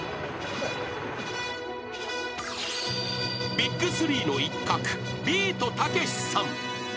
［ＢＩＧ３の一角ビートたけしさん］